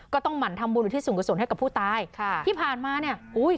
ก็ต้องหมั่นทำบูรณ์อยู่ที่สูงกระสุนให้กับผู้ตายค่ะที่ผ่านมาเนี่ยอุ้ย